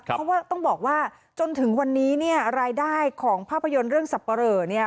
เพราะว่าต้องบอกว่าจนถึงวันนี้รายได้ของภาพยนตร์เรื่องสับปะเหลอ